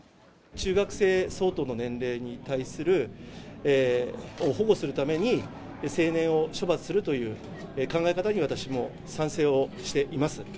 中学生相当の年齢に対する、保護するために、成年を処罰するという考え方に私も賛成をしています。